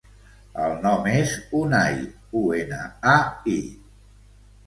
El nom és Unai: u, ena, a, i.